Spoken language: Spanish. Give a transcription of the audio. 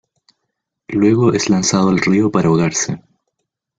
Luego es lanzado al río para ahogarse.